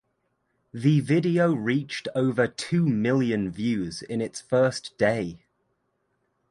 The video reached over two million views in its first day.